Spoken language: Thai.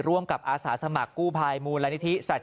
ร่วมกับอาสาสมัครกู้ภายมูลและนิธิศัตริย์